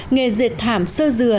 nghề dệt thảm sơ dừa